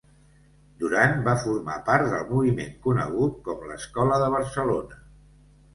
Duran va formar part del moviment conegut com l’Escola de Barcelona.